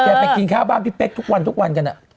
ไปกินข้าวบ้านพี่เป๊กทุกวันทุกวันกัน